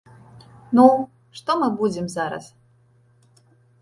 Ну, што мы будзем зараз!